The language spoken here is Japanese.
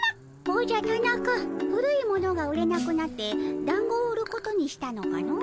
おじゃタナカ古いものが売れなくなってだんごを売ることにしたのかの？